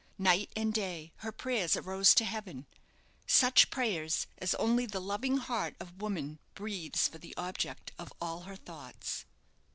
Night and day her prayers arose to heaven such prayers as only the loving heart of woman breathes for the object of all her thoughts.